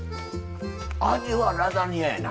味はラザニアやな。